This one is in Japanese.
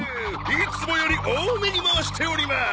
いつもより多めに回しております！